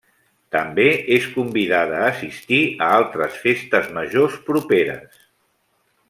També és convidada a assistir a altres festes majors properes.